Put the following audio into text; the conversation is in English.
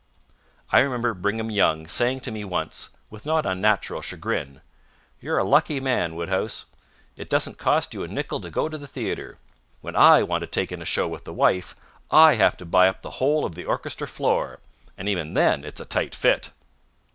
I remember Brigham Young saying to me once with not unnatural chagrin, "You're a lucky man, Wodehouse. It doesn't cost you a nickel to go to a theatre. When I want to take in a show with the wife, I have to buy up the whole of the orchestra floor. And even then it's a tight fit."